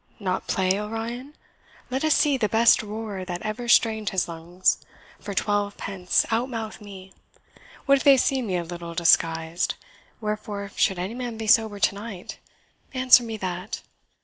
Not play Orion? Let us see the best roarer that ever strained his lungs for twelve pence out mouth me! What if they see me a little disguised? Wherefore should any man be sober to night? answer me that.